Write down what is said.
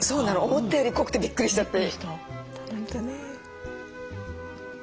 思ったより濃くてびっくりしちゃって。